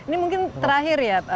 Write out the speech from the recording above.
ini mungkin terakhir ya